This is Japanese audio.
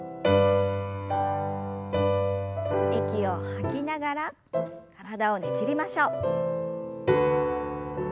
息を吐きながら体をねじりましょう。